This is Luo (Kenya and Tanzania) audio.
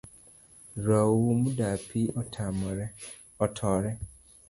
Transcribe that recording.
Raum dapii otore